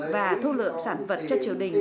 và thu lượng sản vật cho triều đình